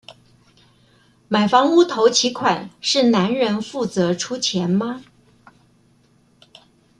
買房屋頭期款是男人負責出錢嗎？